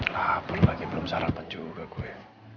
laper lagi belum sarapan juga gue